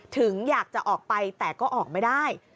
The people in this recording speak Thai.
ถึงอยากจะออกไปแต่ก็ออกไม่ได้